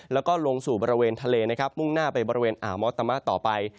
แล้วก็ลงสู่บริเวณทะเลนะครับมุ่งหน้าไปบริเวณอ่าวมอตามะต่อไป